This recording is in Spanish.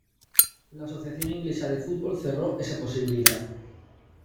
La Asociación Inglesa de Fútbol cerro esa posibilidad.